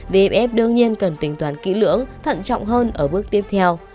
vì vff đương nhiên cần tính toán kỹ lưỡng thận trọng hơn ở bước tiếp theo